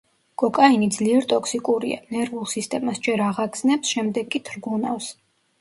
კოკაინი ძლიერ ტოქსიკურია, ნერვულ სისტემას ჯერ აღაგზნებს, შემდეგ კი თრგუნავს.